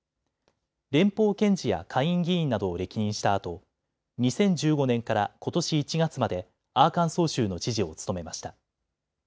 連邦検事や下院議員などを歴任したあと２０１５年からことし１月までアーカンソー州の知事を務めました。